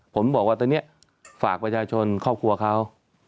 ผมบอกว่าตอนนี้ฝากประชาชนครอบครัวเขา